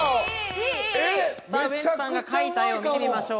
ウエンツさんが描いた絵を見てみましょう。